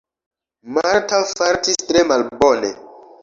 Marta fartis tre malbone.